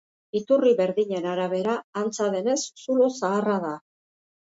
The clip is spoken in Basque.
Iturri berdinen arabera, antza denez zulo zaharra da.